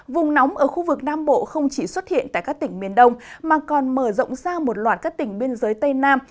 vùng nóng ở khu vực nam bộ không chỉ xuất hiện tại các tỉnh miền đông mà còn mở rộng ra một loạt các tỉnh biên giới tây nam